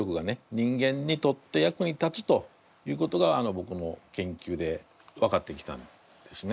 人間にとって役に立つということがぼくも研究で分かってきたんですね。